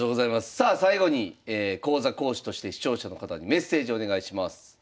さあ最後に講座講師として視聴者の方にメッセージお願いします。